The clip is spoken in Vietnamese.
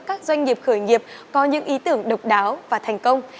các doanh nghiệp khởi nghiệp có những ý tưởng độc đáo và thành công